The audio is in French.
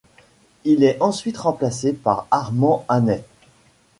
Il est ensuite remplacé par Armand Annet.